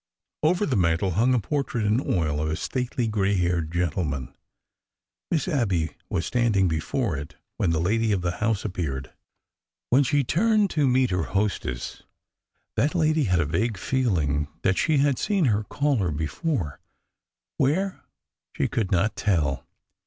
Over the mantel hung a portrait in oil of a stately, gray haired gentleman. Miss Abby was standing before it when the lady of the house appeared. When she turned to meet her hostess, that lady had a vague feeling that she had seen her caller before — where, she could not tell.